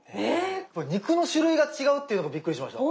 肉の種類が違うっていうのびっくりしました。